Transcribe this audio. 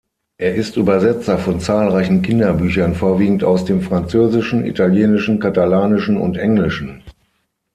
Er ist Übersetzer von zahlreichen Kinderbüchern, vorwiegend aus dem Französischen, Italienischen, Katalanischen und Englischen.